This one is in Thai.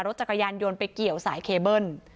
จักรยานยนต์ไปเกี่ยวสายเคเบิ้ล